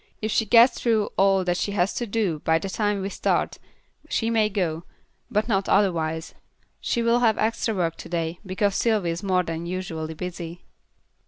If she gets through all that she has to do by the time we start she may go, but not otherwise. She will have extra work to day, because Sylvy is more than usually busy."